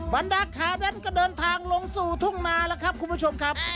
บรรดาขาแดนก็เดินทางลงสู่ทุ่งนาแล้วครับคุณผู้ชมครับ